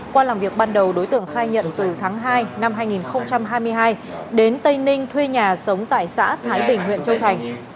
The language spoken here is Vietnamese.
qua làm việc ban đầu đối tượng khai nhận từ tháng hai năm hai nghìn hai mươi hai đến tây ninh thuê nhà sống tại xã thái bình huyện châu thành